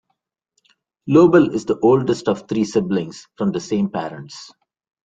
Lobel is the oldest of three siblings from the same parents.